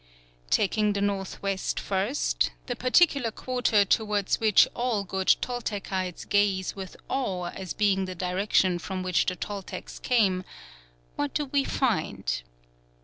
Taking the north west first, the particular quarter towards which all good Toltecites gaze with awe as being the direction from which the Toltecs came, what do we find?